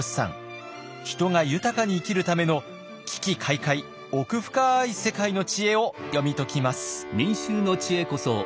人が豊かに生きるための奇々怪々奥深い世界の知恵を読み解きます。